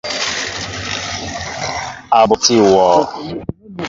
A ɓotí awɔɔ.